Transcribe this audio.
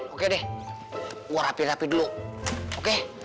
oke deh mau rapi rapi dulu oke